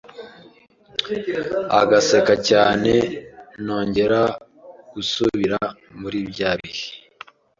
agaseka cyane nongera gusubira muri bya bihe